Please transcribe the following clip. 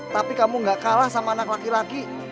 tapi kamu gak kalah sama anak laki laki